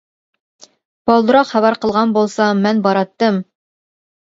بالدۇرراق خەۋەر قىلغان بولسا مەن باراتتىم.